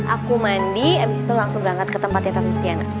aku mandi abis itu langsung berangkat ke tempatnya tantianak